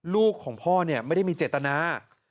ลูกของพ่อไม่ได้มีเจตนา